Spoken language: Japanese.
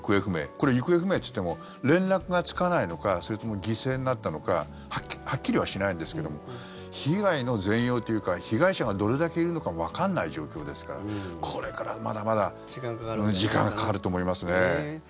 これ、行方不明っていっても連絡がつかないのかそれとも犠牲になったのかはっきりはしないんですけども被害の全容というか被害者がどれだけいるのかもわからない状況ですからこれからまだまだ時間がかかると思いますね。